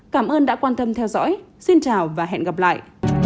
cảm ơn đã quan tâm theo dõi xin chào và hẹn gặp lại